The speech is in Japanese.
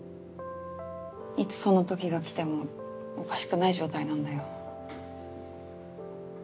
いつ「その時」が来てもおかしくない状態なんだよ。